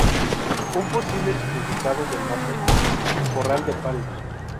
Un posible significado del nombre es "corral de palos".